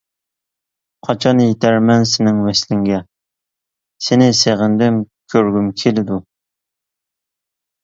قاچان يېتەرمەن سېنىڭ ۋەسلىڭگە، سېنى سېغىندىم كۆرگۈم كېلىدۇ.